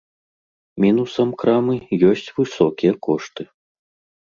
Мінусам крамы ёсць высокія кошты.